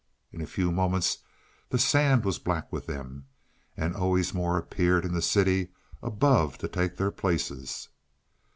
In a few moments the sand was black with them, and always more appeared in the city above to take their places.